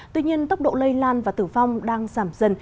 tuy nhiên tốc độ lây lan và tử vong đang giảm dần